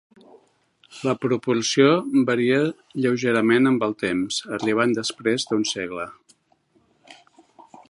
La proporció varia lleugerament amb el temps, arribant després d'un segle.